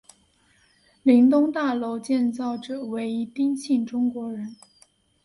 林东大楼建造者为一丁姓中国人。